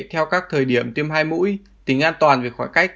theo các thời điểm tiêm hai mũi tính an toàn về khỏi cách